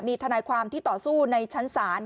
มีทนายความที่ต่อสู้ในชั้นศาล